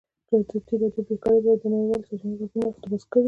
ازادي راډیو د بیکاري په اړه د نړیوالو سازمانونو راپورونه اقتباس کړي.